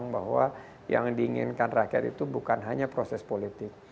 bahwa yang diinginkan rakyat itu bukan hanya proses politik